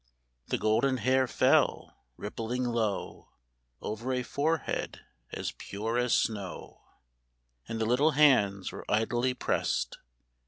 The golden hair fell, rippling low. Over a forehead as pure as snow ; And the little hands were idly pressed.